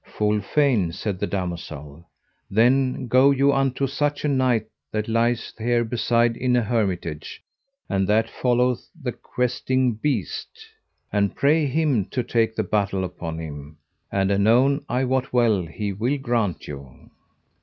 Full fain, said the damosel. Then go you unto such a knight that lieth here beside in an hermitage, and that followeth the Questing Beast, and pray him to take the battle upon him, and anon I wot well he will grant you.